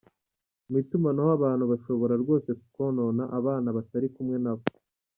Mu itumanaho abantu bashobora rwose konona abana batari kumwe nabo.